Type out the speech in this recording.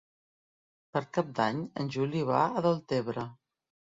Per Cap d'Any en Juli va a Deltebre.